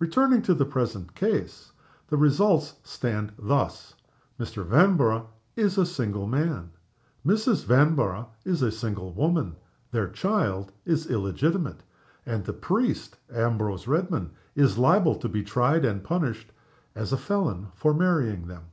Returning to the present case, the results stand thus: Mr. Vanborough is a single man; Mrs. Vanborough is a single woman; their child is illegitimate, and the priest, Ambrose Redman, is liable to be tried, and punished, as a felon, for marrying them."